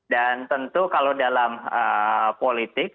dan tentu kalau dalam politik